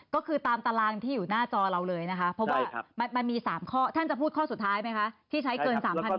ก็คือตามตารางที่อยู่หน้าจอเราเลยมี๓ข้อท่านจะพูดข้อสุดท้ายไหมคะ